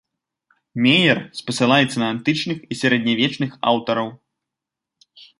Меер спасылаецца на антычных і сярэднявечных аўтараў.